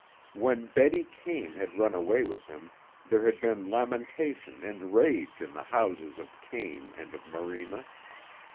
When Betty Kane had run away with him, there had been lamentation and rage in the houses of Kane and of Morena.